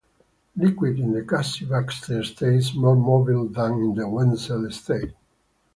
Liquid in the Cassie-Baxter state is more mobile than in the Wenzel state.